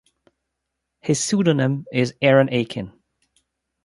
His pseudonym is Aaron Aachen.